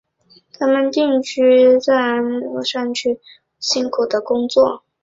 他们定居在安纳托利亚内的荒凉的山区和被雇用作奴仆和辛苦的工作。